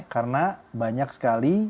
karena banyak sekali